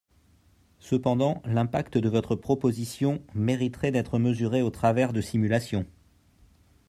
Cependant l’impact de votre proposition mériterait d’être mesuré au travers de simulations.